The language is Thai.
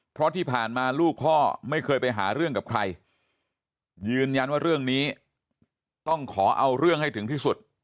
เพราะที่ผ่านมาลูกพ่อไม่เคยไปหาเรื่องกับใครยืนยันว่าเรื่องนี้ต้องขอเอาเรื่องให้ถึงที่สุด